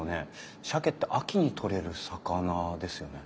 しゃけって秋に取れる魚ですよね？